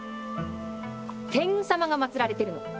天狗様が祭られてるの。